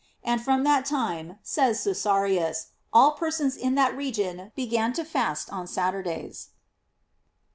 And from that time, says Cesarius, all persons in that region began to fast on Saturdays.